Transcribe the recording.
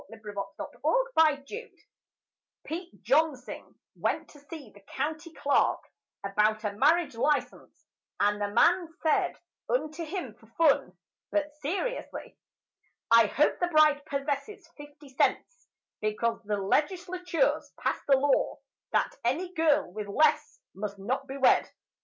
THE COLOURED FORTUNE HUNTER Pete Jonsing went to see the County Clerk About a marriage license, and the man Said unto him for fun, but seriously: "I hope the bride possesses fifty cents, Because the Legislature's passed a law That any girl with less must not be wed."